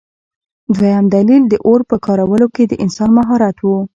دویم دلیل د اور په کارولو کې د انسان مهارت و.